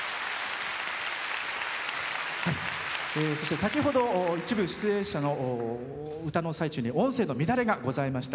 そして、先ほど一部、出演者の歌の最中に音声の乱れがございました。